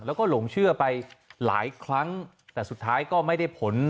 แล้วก็หลงเชื่อไปหลายครั้งแต่สุดท้ายก็ไม่ได้ผล